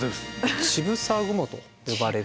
乳房雲と呼ばれる。